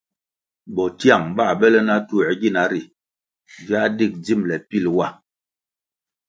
Bo tiang bãh bele na tuĕr gina ri viáh dig dzimbele pil wa.